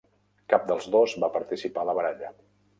Cap dels dos va participar a la baralla.